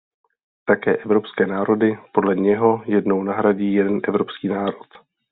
Také evropské národy podle něho jednou nahradí jeden evropský národ.